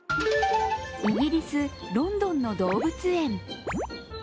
イギリス・ロンドンの動物園。